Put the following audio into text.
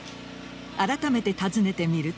あらためて訪ねてみると。